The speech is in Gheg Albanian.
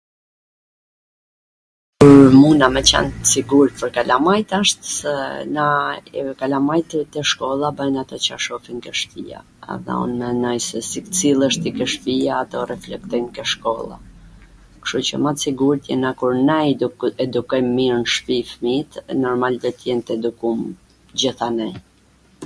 a muna me qen t sigurt pwr kalamajt asht se na ... kalamajt te shkolla bajn atw qw shofin ke shpia. Un menoj se si t sillesh ti ke shpia do reflektojn te shkolla, kshtu qw ma t sigurt jena kur na i edukojm mir n shpi fmijt, normal do t jen t edukum gjithanej